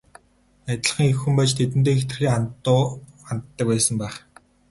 Адилхан эх хүн байж тэдэндээ хэтэрхий хатуу ханддаг байсан байх.